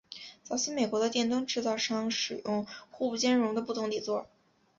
早期美国的电灯制造商使用互不兼容的不同底座。